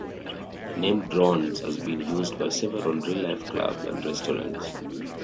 The name "Drones" has been used by several real-life clubs and restaurants.